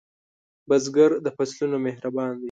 بزګر د فصلونو مهربان دی